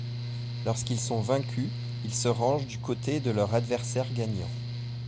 Lorsqu'ils sont vaincus, ils se rangent du côté de leur adversaire gagnant.